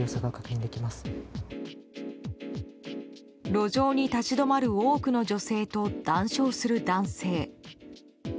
路上に立ち止まる多くの女性と談笑する男性。